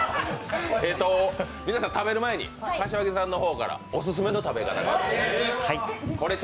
皆さん食べる前に柏木さんの方からオススメの食べ方があります。